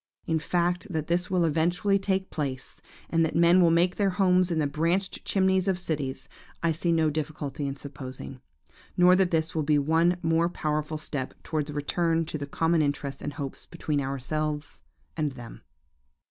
In fact, that this will eventually take place, and that men will make their homes in the branched chimneys of cities, I see no difficulty in supposing; nor that this will be one most powerful step towards a return to the common interests and hopes between ourselves and them.